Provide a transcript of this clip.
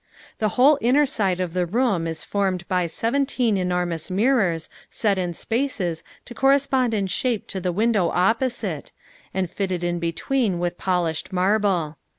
The whole inner side of the room is formed by seventeen enormous mirrors set in spaces to correspond in shape to the window opposite, and fitted in between with polished marble.